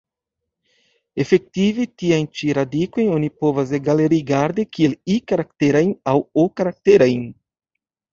Efektive tiajn ĉi radikojn oni povas egale rigardi kiel I-karakterajn aŭ O-karakterajn.